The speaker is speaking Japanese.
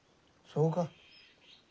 そうか？